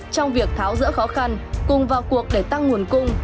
trong việc tháo dỡ khó khăn cung vào cuộc để tăng nguồn cung